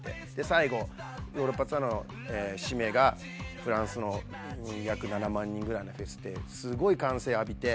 最後ヨーロッパツアーの締めがフランスの約７万人ぐらいのフェスですごい歓声浴びて。